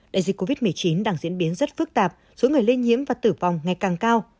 đại dịch covid một mươi chín đang diễn biến rất phức tạp số người lây nhiễm và tử vong ngày càng cao